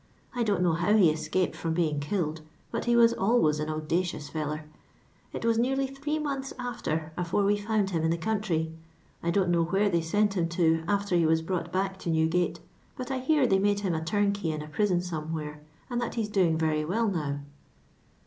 I don't know how he e5cap*'d from being killed, but lie was always an oudacious frller. It was nearly three months after afore we found him in the country. I don't know where they sent him to after he was brous>ht biick to Newgate, but I henr they made him a turnkey in a prison somewhere, and that he 's doing very well now."